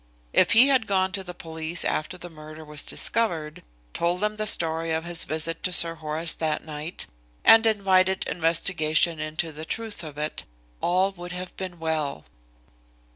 If he had gone to the police after the murder was discovered, told them the story of his visit to Sir Horace that night, and invited investigation into the truth of it, all would have been well."